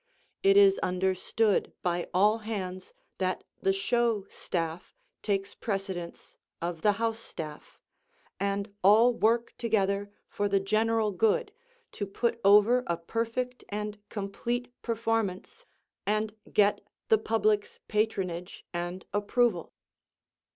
It is understood by all hands that the show staff takes precedence of the house staff, and all work together for the general good, to put over a perfect and complete performance and get the public's patronage and approval.